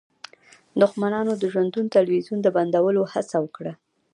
دښمنانو د ژوندون تلویزیون د بندولو هڅه وکړه